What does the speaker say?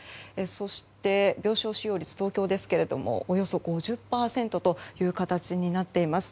そして病床使用率、東京はおよそ５０％という形になっています。